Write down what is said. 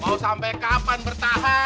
mau sampe kapan bertahan